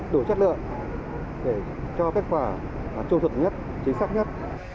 để cho kết quả trung thực nhất chính xác nhất